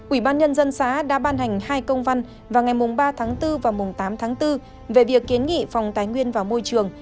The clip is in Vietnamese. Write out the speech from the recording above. ủy ban nhân dân xã đã ban hành hai công văn vào ngày ba tháng bốn và tám tháng bốn về việc kiến nghị phòng tái nguyên và môi trường